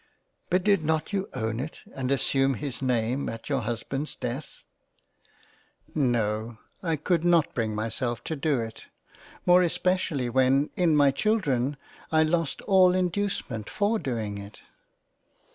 " But did not you own it, and assume his name at your husband's death ?"" No ; I could not bring myself to do it ; more especially when in my Children I lost all inducement for doing it.